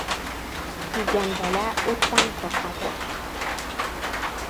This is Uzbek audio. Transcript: • Kuygan bola o‘tdan qo‘rqadi.